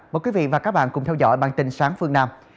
mời quý vị và các bạn cùng theo dõi bản tin sáng phương nam